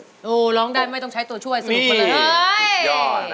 โอ้ร้องได้ไม่ต้องใช้ตัวช่วย